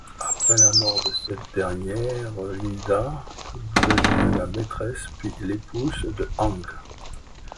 Après la mort de cette dernière Linda devient la maitresse, puis l'épouse de Hank.